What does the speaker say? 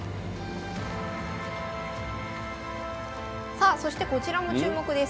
さあそしてこちらも注目です。